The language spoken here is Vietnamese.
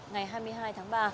ngày hai mươi hai tháng sáu